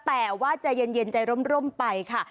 แต่ว่าจะเย็นใจร่มไปค่ะ